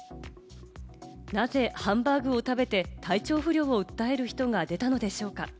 なぜハンバーグを食べて体調不良を訴える人が出たのでしょうか？